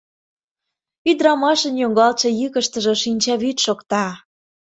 - Ӱдырамашын йоҥгалтше йӱкыштыжӧ шинчаӱд шокта.